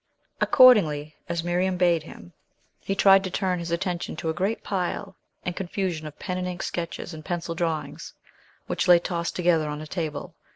Accordingly, as Miriam bade him, he tried to turn his attention to a great pile and confusion of pen and ink sketches and pencil drawings which lay tossed together on a table.